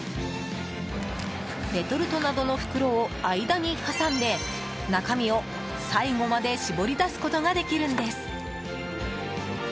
レトルトなどの袋を間に挟んで中身を最後まで絞り出すことができるんです。